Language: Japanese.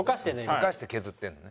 溶かして削ってるのね。